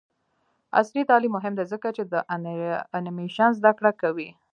عصري تعلیم مهم دی ځکه چې د انیمیشن زدکړه کوي.